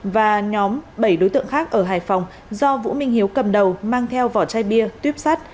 và nhóm bảy đối tượng khác ở hải phòng do vũ minh hiếu cầm đầu mang theo vỏ chai bia tuyếp sắt